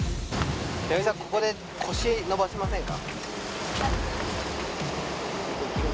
ヒロミさん、ここで腰伸ばしませんか。